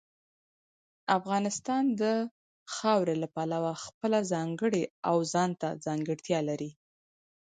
افغانستان د خاورې له پلوه خپله ځانګړې او ځانته ځانګړتیا لري.